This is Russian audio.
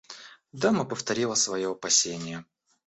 Дама повторила свое опасение.